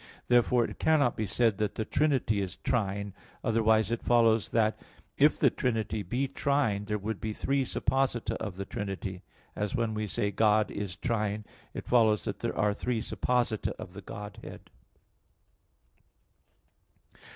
Therefore it cannot be said that the Trinity is trine; otherwise it follows that, if the Trinity be trine, there would be three supposita of the Trinity; as when we say, "God is trine," it follows that there are three supposita of the Godhead.